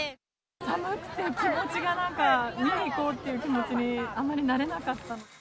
寒くて気持ちがなんか、見に行こうっていう気持ちにあまりなれなかった。